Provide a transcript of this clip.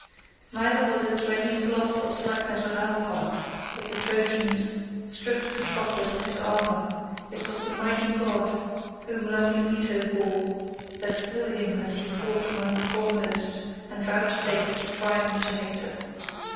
Neither was it through any sloth or slackness on our part that the Trojans stripped Patroclus of his armour; it was the mighty god whom lovely Leto bore that slew him as he fought among the foremost, and vouchsafed a triumph to Hector.